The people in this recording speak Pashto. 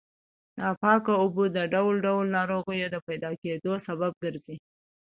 ناپاکه اوبه د ډول ډول ناروغیو د پیدا کېدو سبب ګرځي.